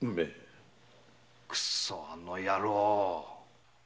くそっあの野郎！